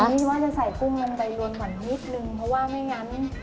อันนี้ว่าจะใส่กุ้งอันใยรวมกว่านิดหนึ่งเพราะว่าไม่อย่างนั้น